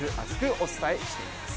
お伝えしていきます。